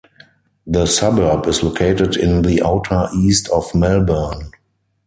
The suburb is located in the outer east of Melbourne.